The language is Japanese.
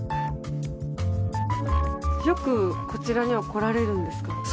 よくこちらには来られるんですか？